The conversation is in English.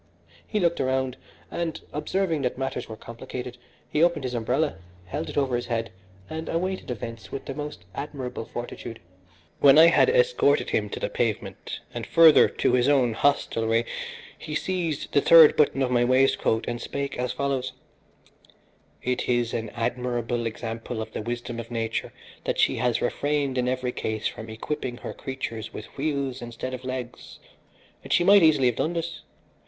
He looked around and, observing that matters were complicated, he opened his umbrella, held it over his head, and awaited events with the most admirable fortitude. When I had escorted him to the pavement, and further to his own hostelry, he seized the third button of my waistcoat and spake as follows: "It is an admirable example of the wisdom of nature that she has refrained in every case from equipping her creatures with wheels instead of legs, and she might easily have done this.